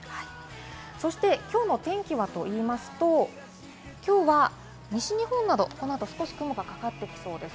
そして、きょうの天気はといいますと、きょうは西日本など、この後、少し雲がかかってきそうです。